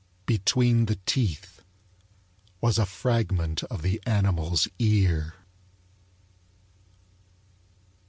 Between the teeth was a fragment of the animal's ear.